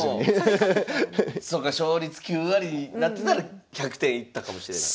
そうか勝率９割になってたら１００点いったかもしれない。